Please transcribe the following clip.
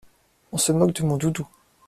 On se moque de mon doudou.